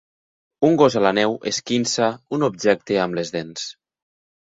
Un gos a la neu esquinça un objecte amb les dents